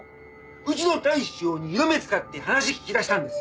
うちの大将に色目使って話聞き出したんですよ。